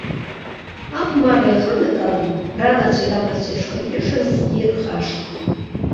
Ахәмарра иханагалан, ранацәеи рабацәеи шхынҳәышазгьы рхашҭит.